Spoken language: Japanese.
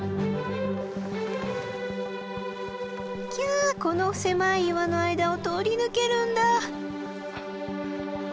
キャこの狭い岩の間を通り抜けるんだ。